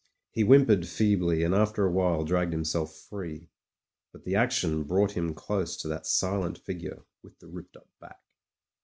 He whimpered feebly, and after a while dragged himself free. But the action brought him close to that silent figure, with the ripped up back.